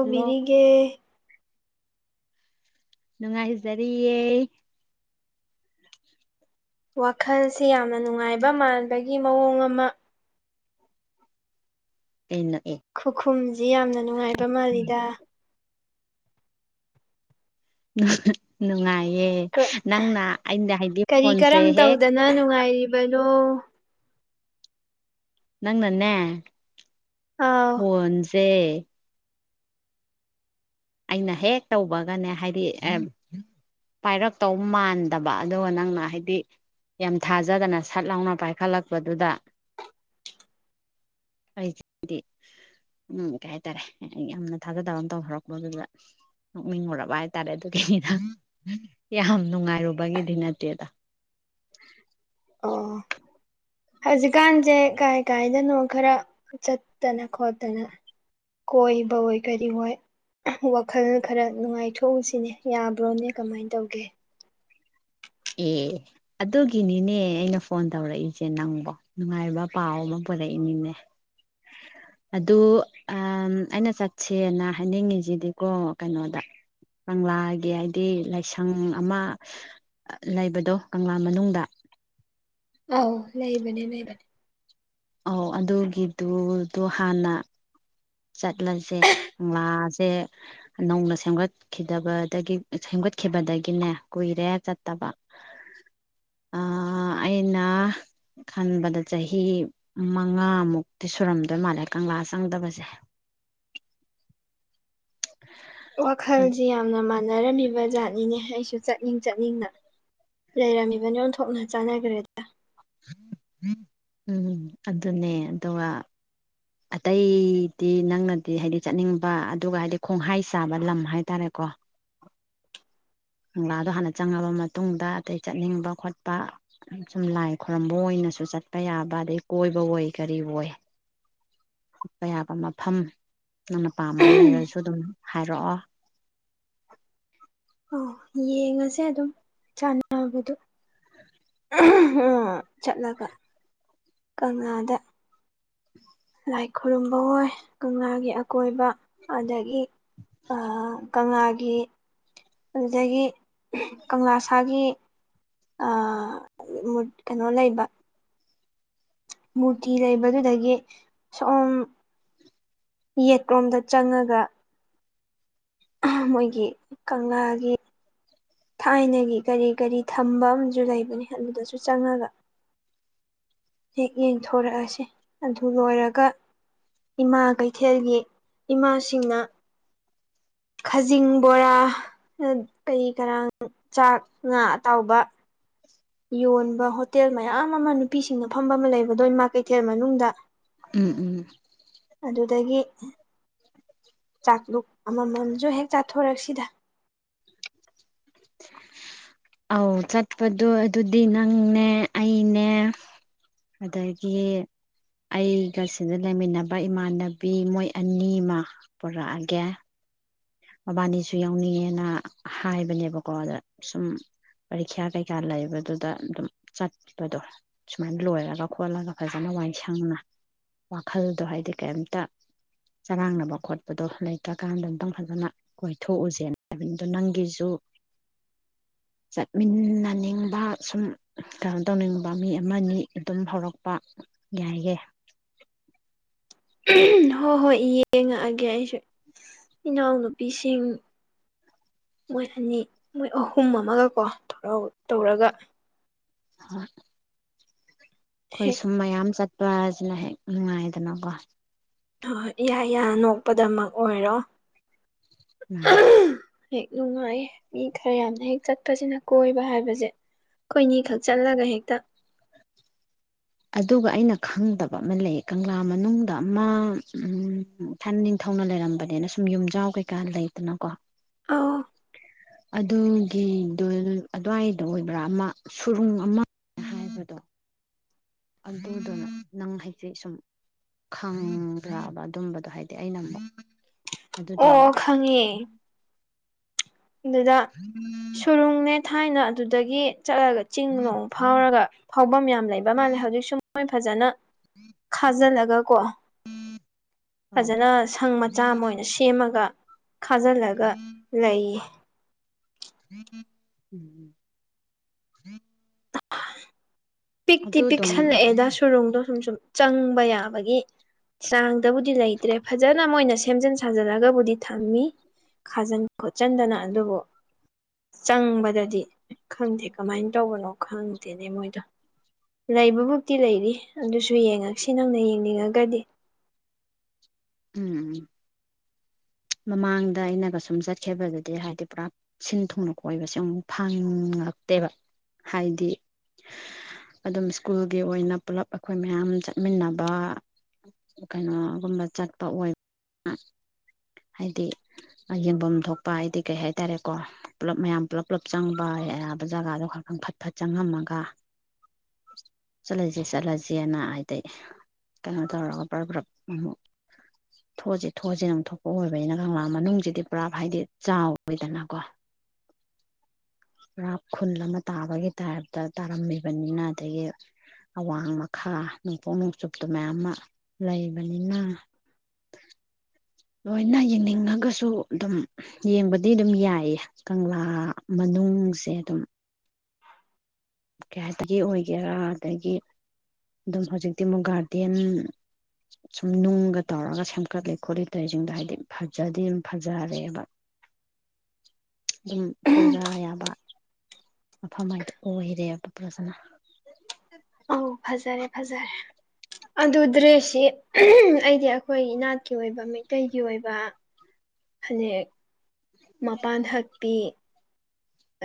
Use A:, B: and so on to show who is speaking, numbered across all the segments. A: Hello ꯅꯨꯡꯉꯥꯏꯖꯔꯤꯌꯦ
B: ꯋꯥꯈꯜꯁꯤ ꯌꯥꯝꯅ ꯅꯨꯡꯉꯥꯏꯕ ꯃꯥꯟꯕꯒꯤ ꯃꯑꯣꯡ ꯑꯃ
A: ꯀꯩꯅꯣ ꯑꯦ
B: ꯈꯨꯈꯨꯝꯁꯤ ꯌꯥꯝꯅ ꯅꯨꯡꯉꯥꯏꯕ ꯃꯥꯜꯂꯤꯗ
A: ꯅꯨꯡꯉꯥꯏ
B: ꯀꯔꯤ ꯀꯔꯝ
A: ꯐꯣꯟꯁꯦ ꯍꯦꯛ
B: ꯇꯧꯗꯅ ꯅꯨꯡꯉꯥꯏꯔꯤꯕꯅꯣ
A: ꯅꯪꯅ ꯅꯦ
B: ꯑꯥꯎ
A: ꯐꯣꯟ ꯁꯦ ꯑꯩꯅ ꯍꯦꯛ ꯇꯧꯕꯒꯅꯦ ꯍꯥꯏꯗꯤ ꯄꯥꯏꯔꯛꯇꯧ ꯃꯥꯟꯗꯕ ꯑꯗꯨꯒ ꯅꯪꯅ ꯍꯥꯏꯗꯤ ꯌꯥꯝ ꯊꯥꯖꯗꯅ ꯁꯠ ꯂꯥꯎꯅ ꯄꯥꯏꯈꯠꯂꯛꯄꯗꯨꯗ ꯑꯩꯁꯤꯗꯤ ꯎꯝ ꯀꯩ ꯍꯥꯏꯇꯥꯔꯦ ꯌꯥꯝꯅ ꯊꯥꯖꯗꯕ ꯑꯃ ꯇꯧꯍꯔꯛꯄ ꯃꯗꯨꯗ ꯅꯣꯛꯅꯤꯡꯉꯨꯔꯕ ꯍꯥꯏꯇꯥꯔꯦ ꯑꯗꯨꯒꯤꯅꯤꯗ ꯌꯥꯝ ꯅꯨꯡꯉꯥꯏꯔꯨꯕꯒꯤꯗꯤ ꯅꯠꯇꯦꯗ
B: ꯑ ꯍꯧꯖꯤꯛꯀꯥꯟꯁꯦ ꯀꯩ ꯀꯥꯏꯗꯅꯣ ꯈꯔ ꯆꯠꯇꯅ ꯈꯣꯠꯇꯅ ꯀꯣꯏꯕ ꯍꯣꯏ ꯀꯔꯤ ꯍꯣꯏ ꯋꯥꯈꯜ ꯈꯔ ꯅꯨꯡꯉꯥꯏꯊꯣꯛꯎꯁꯤꯅꯦ ꯌꯥꯕ꯭ꯔꯣꯅꯦ ꯀꯃꯥꯏꯅ ꯇꯧꯒꯦ
A: ꯑꯦ ꯑꯗꯨꯒꯤꯅꯤꯅꯦ ꯑꯩꯅ ꯐꯣꯟ ꯇꯧꯔꯛꯏꯁꯦ ꯅꯪꯕꯣ ꯅꯨꯡꯉꯥꯏꯕ ꯄꯥꯎ ꯑꯃ ꯄꯨꯔꯛꯏꯅꯤꯅꯦ ꯑꯗꯨ ꯑꯩꯅ ꯆꯠꯁꯦꯅ ꯍꯥꯏꯅꯤꯡꯉꯤꯁꯤꯗꯤꯀꯣ ꯀꯩꯅꯣꯗ ꯀꯪꯂꯥꯒꯤ ꯍꯥꯏꯗꯤ ꯂꯥꯏꯁꯪ ꯑꯃ ꯂꯩꯕꯗꯣ ꯀꯪꯂꯥ ꯃꯅꯨꯡꯗ
B: ꯑꯥꯎ ꯂꯩꯕꯅꯦ ꯂꯩꯕꯅꯦ
A: ꯑꯧ ꯑꯗꯨꯒꯤꯗꯨꯗꯣ ꯍꯥꯟꯅ ꯆꯠꯂꯁꯦ ꯀꯪꯂꯥꯁꯦ ꯅꯧꯅ ꯁꯦꯝꯒꯠꯈꯤꯗꯕꯗꯒꯤ ꯁꯦꯝꯒꯠꯈꯤꯕꯗꯒꯤꯅꯦ ꯀꯨꯏꯔꯦ ꯆꯠꯇꯕ ꯑ ꯑꯩꯅ ꯈꯟꯕꯗ ꯆꯍꯤ ꯃꯉꯥꯃꯨꯛꯇꯤ ꯁꯨꯔꯝꯗꯣꯏ ꯃꯥꯜꯂꯦ ꯀꯪꯂꯥ ꯆꯪꯗꯕꯁꯦ
B: ꯋꯥꯈꯜꯁꯤ ꯌꯥꯝꯅ ꯃꯥꯜꯂꯤ ꯃꯥꯟꯅꯔꯝꯃꯤꯕꯖꯥꯠꯅꯤꯅꯦ ꯑꯩꯁꯨ ꯆꯠꯅꯤꯡ ꯆꯠꯅꯤꯡꯅ ꯂꯩꯔꯝꯃꯤꯕ ꯑꯣꯟꯊꯣꯛꯅ ꯆꯥꯟꯅꯈ꯭ꯔꯦꯗ
A: ꯎꯝ ꯑꯗꯨꯅꯦ ꯑꯗꯨꯒ ꯑꯇꯩꯗꯤ ꯅꯪꯅꯗꯤ ꯍꯥꯏꯗꯤ ꯆꯠꯅꯤꯡꯕ ꯑꯗꯨꯒ ꯍꯥꯏꯗꯤ ꯈꯣꯡꯍꯥꯏ ꯆꯥꯕ ꯂꯝ ꯍꯥꯏ ꯇꯔꯦꯀꯣ ꯀꯪꯂꯥꯗꯣ ꯍꯥꯟꯅ ꯆꯪꯉꯕ ꯃꯇꯨꯡꯗ ꯑꯗꯩ ꯆꯠꯅꯤꯡꯕ ꯈꯣꯠꯄ ꯁꯨꯝ ꯂꯥꯏ ꯈꯣꯏꯔꯝꯕ ꯑꯣꯏꯅꯁꯨ ꯆꯠꯄ ꯌꯥꯕ ꯑꯗꯩ ꯀꯣꯏꯕ ꯑꯣꯏ ꯀꯔꯤ ꯑꯣꯏ ꯆꯠꯄ ꯌꯥꯕ ꯃꯐꯝ ꯅꯪꯅ ꯄꯥꯝꯕ ꯂꯩꯔꯁꯨ ꯑꯗꯨꯝ ꯍꯥꯏꯔꯛꯑꯣ
B: ꯑꯣ ꯌꯦꯡꯉꯁꯦ ꯑꯗꯨꯝ ꯆꯥꯟꯅꯕꯗꯨ ꯆꯠꯂꯒ ꯀꯪꯂꯥꯗ
A: ꯎꯝ
B: ꯂꯥꯏ ꯈꯨꯔꯨꯝꯕ ꯑꯣꯏ ꯀꯪꯂꯥꯒꯤ ꯑꯀꯣꯏꯕ ꯑꯗꯒꯤ ꯑꯥ
A: [unintelligible]
B: ꯀꯪꯂꯥꯒꯤ ꯑꯗꯨꯗꯒꯤ ꯀꯪꯂꯥ ꯁꯥꯒꯤ ꯑ ꯀꯩꯅꯣ ꯂꯩꯕ ꯃꯨꯔꯇꯤ ꯂꯩꯕꯗꯨꯗꯒꯤ ꯁꯣꯝ ꯌꯦꯠꯂꯣꯝꯗ ꯆꯪꯉꯒ ꯃꯣꯏꯒꯤ ꯀꯪꯂꯥꯒꯤ ꯊꯥꯏꯅꯒꯤ ꯀꯔꯤ ꯀꯔꯤ ꯊꯝꯕ ꯑꯃꯁꯨ ꯂꯩꯕꯅꯦ ꯑꯗꯨꯗꯁꯨ ꯆꯪꯉꯒ ꯍꯦꯛ ꯌꯦꯡꯊꯣꯔꯛꯑꯁꯦ ꯑꯗꯨ ꯂꯣꯏꯔꯒ ꯏꯃꯥꯈꯩ ꯀꯩꯊꯦꯜꯒꯤ ꯏꯃꯥꯁꯤꯡꯅ ꯈꯥꯖꯤꯡ ꯕꯣꯔꯥ ꯀꯩ ꯀꯔꯥꯡ ꯆꯥꯛ ꯉꯥ ꯑꯇꯥꯎꯕ ꯌꯣꯟꯕ ꯍꯣꯇꯦꯜ ꯃꯌꯥꯝ ꯑꯃ ꯅꯨꯄꯤꯁꯤꯡꯅ ꯐꯝꯕ ꯑꯃ ꯂꯩꯕꯗꯣ ꯏꯃꯥ ꯀꯩꯊꯦꯜ ꯃꯅꯨꯡꯗ
A: ꯎꯝ ꯎꯝ
B: ꯑꯗꯨꯗꯒꯤ ꯆꯥꯛꯂꯨꯞ ꯑꯃꯃꯝꯁꯨ ꯍꯦꯛ ꯆꯥꯊꯣꯔꯛꯁꯤꯗ
A: ꯑꯧ ꯆꯠꯄꯗꯣ ꯑꯗꯨꯗꯤ ꯅꯪꯅꯦ ꯑꯩꯅꯦ ꯑꯗꯒꯤ ꯑꯩꯒꯁꯤꯗ ꯂꯩꯃꯤꯟꯅꯕ ꯏꯃꯥꯟꯅꯕꯤ ꯃꯣꯏ ꯑꯅꯤꯃ ꯄꯨꯔꯛꯑꯒꯦ ꯃꯕꯥꯅꯤꯁꯨ ꯌꯥꯎꯅꯤꯡꯉꯦꯅ ꯍꯥꯏꯕꯅꯦꯕꯀꯣ ꯑꯗ ꯁꯨꯝ ꯄꯔꯤꯈ꯭ꯌꯥ ꯀꯩꯀꯥ ꯂꯩꯕꯗꯨꯗ ꯑꯗꯨꯝ ꯆꯠꯄꯗꯣ ꯁꯨꯃꯥꯏꯅ ꯂꯣꯏꯔꯒ ꯈꯣꯠꯂꯒ ꯐꯖꯅ ꯋꯥꯏꯁꯪꯅ ꯋꯥꯈꯜꯗꯣ ꯍꯥꯏꯗꯤ ꯀꯩꯝꯇ ꯆꯔꯥꯡꯅꯕ ꯈꯣꯠꯄꯗꯣ ꯂꯩꯇ꯭ꯔꯀꯥꯟꯗ ꯑꯝꯇꯪ ꯐꯖꯅ ꯀꯣꯏꯊꯣꯛꯎꯁꯦꯅ ꯍꯥꯏꯕꯅꯤꯗꯣ ꯅꯪꯒꯤꯁꯨ ꯆꯠꯃꯤꯟꯅꯅꯤꯡꯕ ꯁꯨꯝ ꯀꯩꯅꯣ ꯇꯧꯅꯤꯡꯕ ꯃꯤ ꯑꯃꯅꯤ ꯑꯗꯨꯝ ꯍꯧꯔꯛꯄ ꯌꯥꯏꯌꯦ
B: ꯍꯣꯏ ꯍꯣꯏ ꯌꯦꯡꯉꯛꯑꯒꯦ ꯑꯩꯁꯨ ꯏꯅꯥꯎꯅꯨꯄꯤꯁꯤꯡ ꯃꯣꯏ ꯑꯅꯤ ꯃꯣꯏ ꯑꯍꯨꯝ ꯑꯃꯒꯀꯣ ꯊꯧꯔ ꯇꯧꯔꯒ
A: ꯍꯣꯏ ꯈꯣꯏ
B: ꯍꯦꯛ
A: ꯁꯨꯝꯃꯌꯥꯝ ꯌꯥꯝ ꯆꯠꯄꯗꯣ ꯄꯥꯖ ꯂ ꯍꯦ ꯎꯅꯨꯡꯉꯥꯏꯗꯅꯀꯣ
B: ꯍꯣꯏ ꯍꯣꯏ ꯌꯥ ꯌꯥ ꯅꯣꯛꯄꯗꯃꯛ ꯑꯣꯏꯔꯣ
A: ꯎꯝ
B: ꯍꯦꯛ ꯅꯨꯡꯉꯥꯏ ꯃꯤ ꯈꯔ ꯌꯥꯝꯅ ꯍꯦꯛ ꯆꯠꯄꯁꯤꯅ ꯀꯣꯏꯕ ꯍꯥꯏꯕꯁꯦ ꯑꯩꯣꯏꯅꯤꯈꯛ ꯆꯠꯂꯒ ꯍꯦꯛꯇ
A: ꯑꯗꯨꯒ ꯑꯩꯅ ꯈꯪꯗꯕ ꯑꯃ ꯂꯩ ꯀꯪꯂꯥ ꯃꯅꯨꯡꯗ ꯑꯃ ꯏꯊꯟ ꯅꯤꯡꯊꯧꯅ ꯂꯩꯔꯝꯕꯅꯤꯅ ꯁꯨꯝ ꯌꯨꯝꯖꯥꯎ ꯀꯩꯀꯥ ꯂꯩꯗꯅꯀꯣ
B: ꯑ
A: ꯑꯗꯨꯒꯤꯗꯨꯣ ꯑꯗꯨꯋꯥꯏꯗ ꯑꯣꯏꯕ꯭ꯔꯥ ꯑꯃ ꯁꯨꯔꯨꯡ ꯑꯃ ꯍꯥꯏꯕꯗꯣ ꯑꯗꯨꯗꯨꯅ ꯅꯪ ꯍꯥꯏꯗꯤ ꯁꯨꯝ ꯈꯪꯗ꯭ꯔꯕ ꯑꯗꯨꯝꯕꯗꯣ ꯍꯥꯏꯗꯤ ꯑꯩꯅ ꯑꯃꯨꯛ ꯑꯗꯨꯗꯤ
B: ꯑꯣ
A: ꯑꯃꯨꯛ
B: ꯈꯪꯉꯦ ꯑꯗꯨꯗ ꯁꯨꯔꯨꯡꯅꯦ ꯊꯥꯏꯅ ꯑꯗꯨꯗꯒꯤ ꯆꯠꯂꯒ ꯆꯤꯡ ꯅꯣꯡ ꯐꯥꯎꯔꯒ ꯐꯥꯎꯐꯝ ꯌꯥꯝ ꯂꯩꯕ ꯃꯥꯜꯂꯦ ꯍꯧꯖꯤꯛꯁꯨ ꯃꯣꯏ ꯐꯖꯅ ꯈꯥꯖꯤꯜꯂꯒꯀꯣ
A: ꯑꯣ
B: ꯐꯖꯅ ꯁꯪ ꯃꯆꯥ ꯑꯃ ꯑꯣꯏꯅ ꯁꯦꯝꯃꯒ ꯈꯥꯖꯤꯜꯂꯒ ꯂꯩꯌꯦ
A: [unintelligible]
B: ꯄꯤꯛꯇꯤ
A: ꯑꯗꯨ ꯑꯗꯨꯝ
B: ꯄꯤꯛꯁꯜꯂꯛꯑꯦꯗ ꯁꯨꯔꯣꯡꯗꯣ ꯁꯨꯝ ꯁꯨꯝ ꯆꯪꯕ ꯌꯥꯕꯒꯤ ꯆꯥꯡꯗꯕꯨꯗꯤ ꯂꯩꯇ꯭ꯔꯦ ꯐꯖꯅ ꯃꯣꯏꯅ ꯁꯦꯝꯖꯤꯟ ꯁꯥꯖꯤꯜꯂꯒꯕꯨꯗꯤ ꯊꯝꯃꯤ ꯈꯥꯖꯤꯟ ꯈꯣꯠꯆꯤꯟꯗꯅ ꯑꯗꯨꯕꯨ ꯆꯪꯕꯗꯗꯤ ꯈꯪꯗꯦ ꯀꯃꯥꯏꯅ ꯇꯧꯕꯅꯣ ꯈꯪꯗꯦꯅꯦ ꯃꯣꯏꯗꯣ ꯂꯩꯕꯃꯨꯛꯇꯤ ꯂꯩꯔꯤ ꯑꯗꯨꯁꯨ ꯌꯦꯡꯉꯛꯁꯤ ꯅꯪꯅ ꯌꯦꯡꯅꯤꯡꯉꯒꯗꯤ
A: ꯎꯝ ꯎꯝ ꯃꯃꯥꯡꯗ ꯑꯩꯅꯒ ꯁꯨꯝ ꯆꯠꯈꯤꯕꯗꯗꯤ ꯍꯥꯏꯕꯗꯤ ꯄꯨꯔꯥ ꯁꯤꯟ ꯊꯨꯡꯅ ꯀꯣꯏꯕꯁꯦ ꯑꯃꯨꯛ ꯐꯪꯉꯛꯇꯦꯕ ꯍꯥꯏꯗꯤ ꯑꯗꯨꯝ ꯁ꯭ꯀꯨꯜꯒꯤ ꯑꯣꯏꯅ ꯄꯨꯂꯞ ꯑꯩꯈꯣꯏ ꯃꯌꯥꯝ ꯆꯠꯃꯤꯟꯅꯕ ꯀꯩꯅꯣꯒꯨꯝꯕ ꯆꯠꯄ ꯑꯣꯏꯕ ꯍꯥꯏꯗꯤ ꯌꯦꯡꯐꯝ ꯊꯣꯛꯄ ꯍꯥꯏꯗꯤ ꯀꯩ ꯍꯥꯏꯇꯥꯔꯦꯀꯣ ꯄꯨꯂꯞ ꯃꯌꯥꯝ ꯄꯨꯂꯞ ꯄꯨꯂꯞ ꯆꯪꯕꯕ ꯖꯒꯥꯗꯣ ꯈ ꯈꯪ ꯐꯠ ꯐꯠ ꯆꯪꯉꯝꯃꯒ ꯆꯠꯂꯁ ꯆꯠꯂꯁꯦꯅ ꯍꯥꯏꯗꯤ ꯀꯩꯅꯣ ꯇꯧꯔꯒ ꯄꯨ꯭ꯔꯞ ꯄꯨ꯭ꯔꯞ ꯑꯃꯨꯛ ꯊꯣꯛꯑꯁꯤ ꯊꯣꯛꯑꯁꯤꯅ ꯑꯃꯨꯛ ꯑꯣꯏꯕꯅꯤꯅ ꯀꯪꯂꯥ ꯃꯅꯨꯡꯁꯤꯗꯤ ꯄꯨꯔꯥ ꯍꯥꯏꯗꯤ ꯆꯥꯎꯋꯏꯗꯅꯀꯣ ꯄꯨꯔꯥ ꯈꯨꯜ ꯑꯃ ꯇꯥꯕꯒꯤ ꯇꯥꯏꯞꯇ ꯇꯥꯔꯝꯃꯤꯕꯅꯤꯅ ꯑꯗꯒꯤ ꯑꯋꯥꯡ ꯃꯈꯥ ꯅꯣꯡꯄꯣꯛ ꯅꯣꯡꯆꯨꯞꯇꯨ ꯃꯌꯥꯝ ꯑꯃ ꯂꯩꯕꯅꯤꯅ ꯂꯣꯏꯅ ꯌꯦꯡꯅꯤꯡꯉꯒꯁꯨ ꯑꯗꯨꯝ ꯌꯦꯡꯕꯗꯤ ꯑꯗꯨꯝ ꯌꯥꯏꯌꯦ ꯀꯪꯂꯥ ꯃꯅꯨꯡꯁꯦ ꯑꯗꯨꯝ ꯀꯩ ꯍꯥꯏꯇꯒꯤ ꯑꯣꯏꯒꯦꯔꯥ ꯑꯗꯒꯤ ꯑꯗꯨꯝ ꯍꯧꯖꯤꯛꯇꯤ ꯑꯃꯨꯛ ꯒꯥꯔꯗꯦꯟ ꯁꯨꯝ ꯅꯨꯡꯒ ꯇꯧꯔꯒ ꯁꯦꯝꯒꯠꯂꯤ ꯈꯣꯠꯂꯤ ꯇꯔꯤꯁꯤꯡꯗꯣ ꯍꯥꯏꯗꯤ ꯐꯖꯗꯤ ꯑꯗꯨꯝ ꯐꯖꯔꯦꯕ ꯑꯗꯨꯝ ꯀꯣꯏꯕ ꯌꯥꯕ ꯃꯐꯝ ꯍꯥꯏꯗꯣ ꯑꯣꯏ [unintelligible]
B: ꯑꯧ ꯐꯖꯔꯦ ꯐꯖꯔꯦ ꯑꯗꯨ ꯗ꯭ꯔꯦꯁꯁꯤ ꯑꯩꯗꯤ ꯑꯩꯈꯣꯏ ꯏꯅꯥꯠꯀꯤ ꯑꯣꯏꯕ ꯃꯩꯇꯩꯒꯤ ꯑꯣꯏꯕ ꯐꯅꯦꯛ ꯃꯄꯥꯟ ꯍꯛꯇꯤ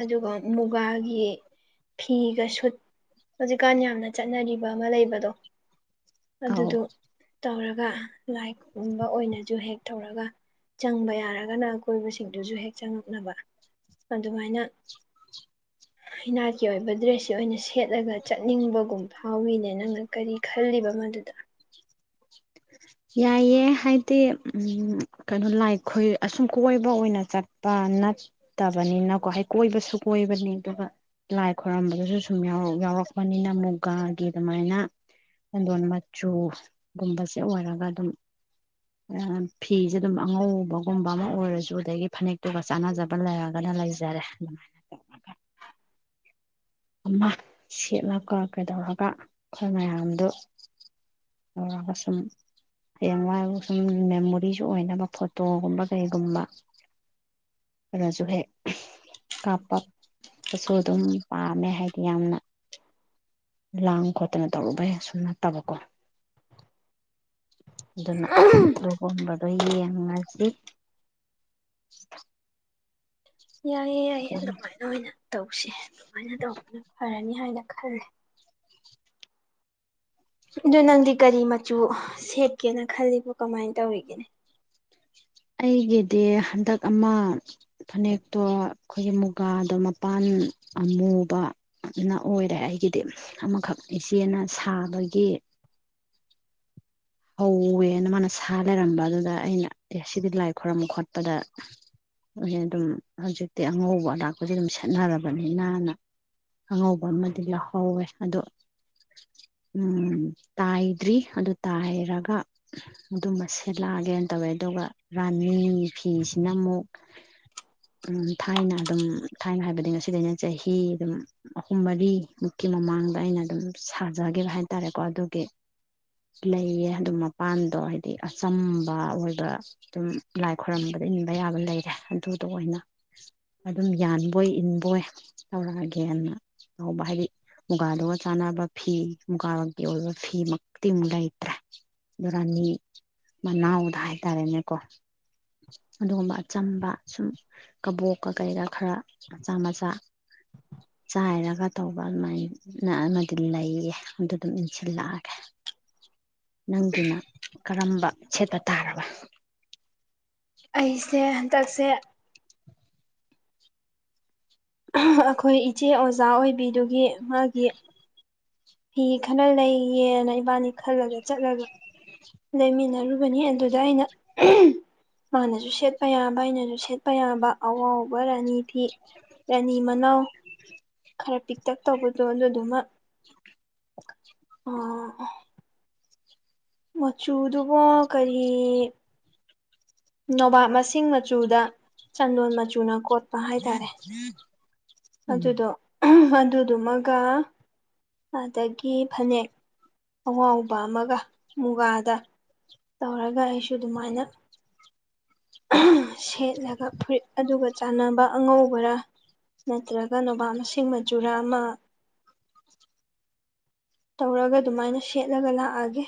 B: ꯑꯗꯨꯒ ꯃꯨꯒꯥꯒꯤ ꯐꯤꯒ ꯁꯨꯠ ꯍꯧꯖꯤꯛꯀꯥꯟ ꯌꯥꯝꯅ ꯆꯠꯅꯔꯤꯕ ꯑꯃ ꯂꯩꯕꯗꯣ
A: ꯑꯥꯎ
B: ꯑꯗꯨꯗꯣ ꯇꯧꯔꯒ ꯂꯥꯏ ꯈꯨꯨꯝꯕ ꯑꯣꯏꯅꯁꯨ ꯍꯦꯛ ꯇꯧꯔꯒ ꯆꯪꯕ ꯌꯥꯔꯒꯅ ꯑꯀꯣꯏꯕꯁꯤꯡꯗꯨꯁꯨ ꯍꯦꯛ ꯆꯪꯉꯛꯅꯕ ꯑꯗꯨꯃꯥꯏꯅ ꯏꯅꯥꯠꯀꯤ ꯑꯣꯏꯕ ꯗ꯭ꯔꯦꯁꯁꯤ ꯑꯣꯏꯅ ꯁꯤ꯫ ꯊꯦꯠꯂꯒ ꯆꯠꯅꯤꯡꯕꯒꯨꯝꯕ ꯍꯥꯎꯋꯅꯦ ꯅꯪꯅ ꯀꯔꯤ ꯈꯜꯂꯤꯕ ꯃꯗꯨꯗ
A: ꯌꯥꯏꯑꯦ ꯍꯥꯏꯗꯤ ꯀꯩꯅꯣ ꯂꯥꯏ ꯑꯁꯨꯝ ꯀꯣꯏꯕ ꯑꯣꯏꯅ ꯆꯠꯄ ꯅꯠꯇꯕꯅꯤꯅꯀꯣ ꯍꯥꯏ ꯀꯣꯏꯕꯁꯨ ꯀꯣꯏꯕꯅꯤ ꯑꯗꯨꯒ ꯂꯥꯏ ꯈꯣꯏꯔꯝꯕꯗꯨꯁꯨ ꯁꯨꯝ ꯌꯥꯎꯔꯛꯄꯅꯤꯅ ꯃꯨꯒꯥꯒꯤ ꯑꯗꯨꯃꯥꯏꯅ ꯀꯗꯣꯟ ꯃꯆꯨꯒꯨꯝꯕ ꯑꯣꯏꯔꯒ ꯑꯗꯨꯝ ꯐꯤꯁꯦ ꯑꯗꯨꯝ ꯑꯉꯧꯕꯒꯨꯝꯕ ꯑꯃ ꯑꯣꯏꯔꯁꯨ ꯑꯗꯒꯤ ꯐꯅꯦꯛꯇꯨꯒ ꯆꯥꯟꯅꯖꯕ ꯂꯩꯔꯒꯅ ꯂꯩꯖꯔꯦ꯫ ꯑꯃ ꯁꯦꯠꯂꯒ ꯀꯩꯗꯧꯔꯒ ꯑꯩꯈꯣꯏ ꯃꯌꯥꯝꯗꯨ ꯇꯧꯔꯒ ꯁꯨꯝ ꯍꯌꯦꯡꯋꯥꯏ ꯁꯨꯝ ꯃꯦꯃꯣꯔꯤꯁꯨ ꯑꯣꯏꯅꯕ ꯐꯣꯇꯣꯒꯨꯝꯕ ꯀꯩꯒꯨꯝꯕ ꯑꯗꯨꯗꯁꯨ ꯍꯦꯛ ꯀꯥꯞꯄꯄꯁꯨ ꯑꯗꯨꯝ ꯄꯥꯝꯃꯦ ꯍꯥꯏꯗꯤ ꯌꯥꯝꯅ ꯂꯥꯡ ꯈꯣꯠꯇꯅ ꯇꯧꯔꯨꯕꯩ ꯁꯁꯨꯝ ꯅꯠꯇꯕꯀꯣ ꯑꯗꯨꯅ ꯑꯗꯨꯒꯨꯝꯕꯗꯣ ꯌꯦꯡꯉ ꯃꯥꯉꯥꯟꯁꯤ
B: ꯌꯥꯏꯌꯦ ꯑꯩ ꯑꯗꯨꯃꯥꯏꯅ ꯑꯣꯏꯅ ꯇꯧꯁꯦ ꯁꯨꯃꯥꯏꯅ ꯇꯧꯕꯅ ꯐꯔꯅꯤ ꯍꯥꯏꯅ ꯈꯜꯂꯦ ꯑꯗꯨ ꯅꯪꯗꯤ ꯀꯔꯤ ꯃꯆꯨ ꯁꯦꯠꯀꯦꯅ ꯈꯜꯂꯤꯕꯣ ꯀꯃꯥꯏꯅ ꯇꯧꯔꯤꯒꯦꯅꯤ
A: ꯑꯩꯒꯤꯗꯤ ꯍꯟꯗꯛ ꯑꯃ ꯐꯥꯅꯦꯛꯇꯣ ꯑꯩꯈꯣꯏꯒꯤ ꯃꯨꯒꯥꯗꯣ ꯃꯄꯥꯟ ꯑꯃꯨꯕꯅ ꯑꯣꯏꯔꯦ ꯑꯩꯒꯤꯗꯤ ꯑꯃꯈꯛ ꯏꯆꯦꯅ ꯁꯥꯕꯒꯤ꯫ ꯍꯧꯋꯦꯅ ꯃꯥꯅ ꯁꯥ ꯂꯩꯔꯝꯕ ꯑꯗꯨꯗ ꯑꯩꯅ ꯑꯦ ꯁꯤꯗꯤ ꯂꯥꯏ ꯈꯣꯏꯔꯝꯕ ꯈꯣꯠꯄꯗ ꯑꯗꯨꯝ ꯍꯧꯖꯤꯛꯇꯤ ꯑꯉꯧꯕ ꯑꯔꯥꯛꯄꯁꯦ ꯑꯗꯨꯝ ꯁꯦꯠꯅꯔꯕꯅꯤ ꯅꯥꯅ꯫ ꯑꯉꯧꯕ ꯑꯃꯗꯤ ꯂꯧꯍꯧꯋꯦ ꯑꯗꯨꯗ ꯎꯝ ꯇꯥꯏꯗ꯭ꯔꯤ ꯑꯗꯨ ꯇꯥꯏ꯫ ꯔꯒ ꯑꯗꯨꯝꯕ ꯁꯦꯠꯂꯛꯑꯒꯦꯅ ꯇꯧꯋꯦ ꯑꯗꯨꯒ ꯔꯥꯅꯤ ꯐꯤꯁꯤꯅ ꯑꯃꯨꯛ ꯊꯥꯏꯅ ꯑꯗꯨꯝ ꯊꯥꯏꯅ ꯍꯥꯏꯕꯗꯤ ꯉꯁꯤꯗꯩꯅ ꯆꯍꯤ ꯑꯗꯨꯝ ꯑꯍꯨꯝ ꯃꯔꯤꯃꯨꯛꯀꯤ ꯃꯃꯥꯡꯗ ꯑꯩꯅ ꯑꯗꯨꯝ ꯁꯥꯖꯈꯤꯕ ꯍꯥꯏꯇꯥꯔꯦꯀꯣ ꯑꯗꯨꯒꯤ ꯂꯩꯌꯦ꯫ ꯑꯗꯨꯝ ꯃꯄꯥꯟꯗꯣ ꯍꯥꯏꯗꯤ ꯑꯆꯝꯕ ꯑꯣꯏꯕ ꯑꯗꯨꯝ ꯂꯥꯏ ꯈꯣꯏꯔꯝꯕꯗ ꯏꯟꯕ ꯌꯥꯕ ꯂꯩ ꯑꯗꯨꯗ ꯑꯣꯏꯅ ꯑꯗꯨꯝ ꯌꯥꯟꯕꯣꯏ ꯏꯟꯕꯣꯏ ꯇꯧꯔꯛꯑꯒꯦꯅ ꯍꯧꯕ ꯍꯥꯏꯗꯤ ꯃꯨꯒꯥꯗꯨꯒ ꯆꯥꯟꯅꯕ ꯐꯤ ꯃꯨꯒꯥꯔꯀꯤ ꯑꯣꯏꯕ ꯐꯤꯃꯛꯇꯤ ꯃꯨꯛ ꯂꯩꯇ꯭ꯔꯦ꯫ ꯑꯗꯨ ꯔꯥꯅꯤ ꯃꯅꯥꯎꯗ ꯍꯥꯏꯇꯥꯔꯦꯅꯦꯀꯣ ꯑꯗꯨꯒꯨꯝꯕ ꯑꯆꯝꯕ ꯁꯨꯝ ꯀꯕꯣꯛꯀ ꯀꯩꯒꯥ ꯈꯔ ꯃꯆꯥ ꯃꯆꯥ ꯆꯥꯏꯔꯒ ꯇꯧꯕ ꯑꯗꯨꯃꯥꯏꯅ ꯑꯃꯗꯤ ꯂꯩꯌꯦ ꯑꯗꯨ ꯑꯗꯨꯝ ꯏꯟꯁꯤꯜꯂꯛꯑꯒꯦ꯫ ꯅꯪꯒꯤꯅ ꯀꯔꯝꯕ ꯁꯦꯠꯄ ꯇꯥꯔꯕ
B: ꯑꯩꯁꯦ ꯇꯥꯁꯦ ꯑꯩꯈꯣꯏ ꯏꯆꯦ ꯑꯣꯖꯥ ꯑꯣꯏꯕꯤꯗꯨꯒꯤ꯫ ꯃꯒꯤ ꯐꯤ ꯈꯔ ꯂꯩꯒꯦꯅ ꯏꯕꯥꯅꯤ ꯈꯜꯂꯒꯦ ꯆꯠꯂꯒ ꯂꯩꯃꯤꯟꯅꯔꯨ ꯅꯤ ꯑꯗꯨ ꯅꯥꯏꯠ ꯑꯍꯥꯝ ꯃꯥꯅꯁꯨ ꯁꯦꯠꯄ ꯌꯥꯕ ꯑꯩꯅꯁꯨ ꯁꯦꯠꯄ ꯌꯥꯕ ꯑꯋꯥꯎꯕ꯫ ꯔꯅꯤꯤ ꯔꯥꯅꯤ ꯃꯅꯥꯎ ꯈꯔ ꯄꯤꯛ ꯇꯦꯛ ꯇꯧꯕꯗꯣ ꯑꯗꯨꯗꯨꯃꯛ ꯑ ꯃꯆꯨꯗꯨꯕꯣ ꯀꯔꯤ ꯅꯣꯕꯥꯞ ꯃꯁꯤꯡ ꯃꯆꯨꯗ ꯆꯟꯗꯣꯟ ꯃꯆꯨꯅ ꯀꯣꯠꯄ ꯍꯥꯏꯇꯥꯔꯦ
A: ꯎꯝ
B: ꯑꯗꯨꯗꯣ ꯑꯗꯨꯗꯨꯃꯒ ꯑꯗꯒꯤ ꯐꯅꯦꯛ ꯑꯍꯥꯎꯕ ꯑꯃꯒ ꯃꯨꯒꯥꯗ ꯇꯧꯔꯒ ꯑꯩꯁꯨ ꯑꯗꯨꯃꯥꯏꯅ ꯁꯦꯠꯂꯒ ꯐꯨꯔꯤꯠ ꯑꯗꯨꯒ ꯆꯥꯟꯅꯕ ꯑꯉꯧꯕꯔ ꯅꯠꯇ꯭ꯔꯒ ꯅꯣꯕꯥ ꯃꯁꯤꯡ ꯃꯆꯨꯔ ꯑꯃ ꯇꯧꯔꯒ ꯑꯗꯨꯃꯥꯏꯅ ꯁꯦꯠꯂꯒ ꯂꯥꯛꯑꯒꯦ